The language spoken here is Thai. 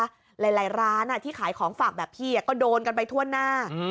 หลายร้านที่ขายของฝากแบบพี่ก็โดนกันไปทั่วหน้า